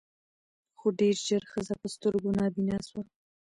خو ډېر ژر ښځه په سترګو نابینا سوه